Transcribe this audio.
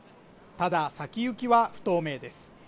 ただ先行きは不透明です